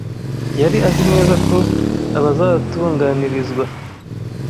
Yari azi neza ko abazatunganirizwa